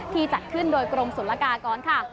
จัดขึ้นโดยกรมศุลกากรค่ะ